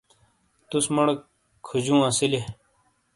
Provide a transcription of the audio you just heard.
تس موڑے کھجیو اسیلیئے۔